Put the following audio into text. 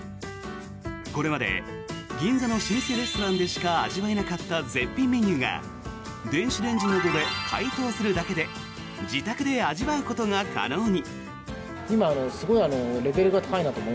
これまで銀座の老舗レストランでしか味わえなかった絶品メニューが電子レンジなどで解凍するだけで自宅で味わうことが可能に。